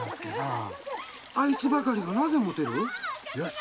あいつばかりがなぜもてる？よし。